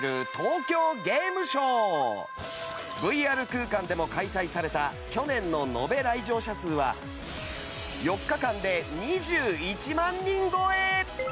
ＶＲ空間でも開催された去年の延べ来場者数は４日間で２１万人超え！